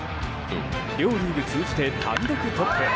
両リーグ通じて単独トップ！